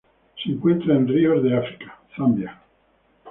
Se encuentran en ríos de África: Zambia.